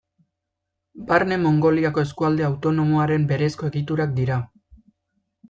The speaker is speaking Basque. Barne Mongoliako eskualde autonomoaren berezko egiturak dira.